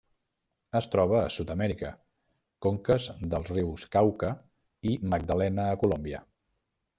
Es troba a Sud-amèrica: conques dels rius Cauca i Magdalena a Colòmbia.